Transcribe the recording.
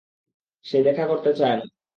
সে দেখা করতে চায় না।